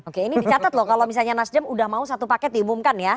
oke ini dicatat loh kalau misalnya nasdem udah mau satu paket diumumkan ya